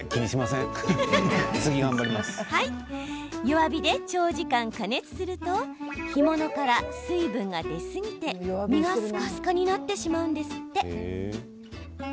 弱火で長時間加熱すると干物から水分が出すぎて身がスカスカになってしまうんですって。